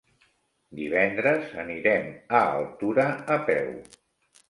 Divendres anirem a Altura a peu.